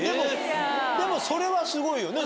でもそれはすごいよね。